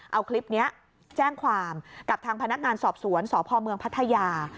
เอาคลิปนี้แจ้งความกับทางพนักงานสอบสวนสพเมืองพัทยา